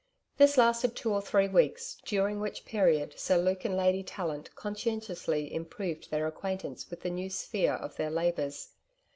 This lasted two or three weeks, during which period Sir Luke and Lady Tallant conscientiously improved their acquaintance with the new sphere of their labours.